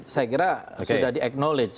saya kira sudah di eknowledge